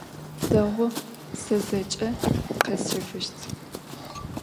Дэгъу, сэ зэкӏэ къэсщэфыщт.